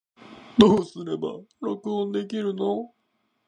どうすれば録音できるの